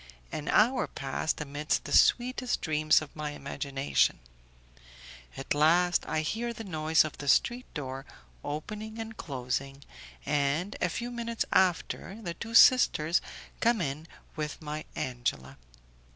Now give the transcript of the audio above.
An hour passed amidst the sweetest dreams of my imagination; at last I hear the noise of the street door opening and closing, and, a few minutes after, the two sisters come in with my Angela.